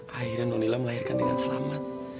akhirnya nonila melahirkan dengan selamat